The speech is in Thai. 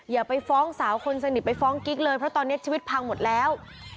อย่าไปฟ้องสาวคนสนิทไปฟ้องกิ๊กเลยเพราะตอนนี้ชีวิตพังหมดแล้ว